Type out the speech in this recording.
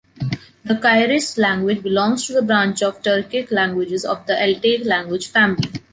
The Kyrgyz language belongs to the branch of Turkic languages of the Altaic language family.